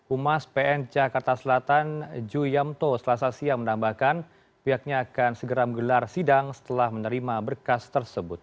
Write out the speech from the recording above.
umas pn jakarta selatan ju yamto selasa siang menambahkan pihaknya akan segera menggelar sidang setelah menerima berkas tersebut